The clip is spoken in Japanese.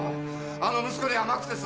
あの息子に甘くてさ。